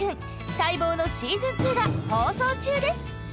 待望のしずん２が放送中です！